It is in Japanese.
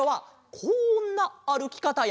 こんなあるきかたで。